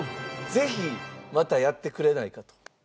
「ぜひまたやってくれないか？」と。